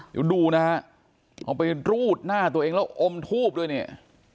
เดี๋ยวดูนะฮะเอาไปรูดหน้าตัวเองแล้วอมทูบด้วยเนี่ย